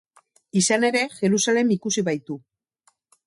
Izan ere, Jerusalem ikusi baitu.